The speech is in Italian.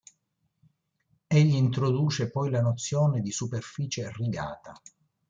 Egli introduce poi la nozione di superficie rigata.